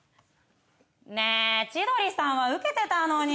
ねぇ千鳥さんはウケてたのに。